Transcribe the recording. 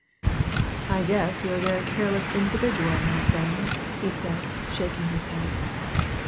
"I guess you're a very careless individual, my friend," he said, shaking his head.